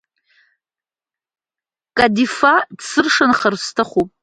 Кадифа дсыршанхарц сҭахуп.